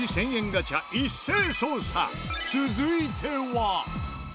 続いては。